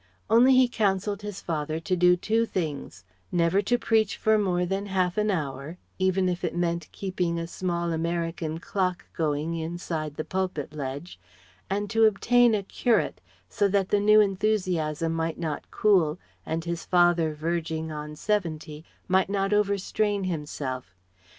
Only he counselled his father to do two things: never to preach for more than half an hour even if it meant keeping a small American clock going inside the pulpit ledge; and to obtain a curate, so that the new enthusiasm might not cool and his father verging on seventy, might not overstrain himself.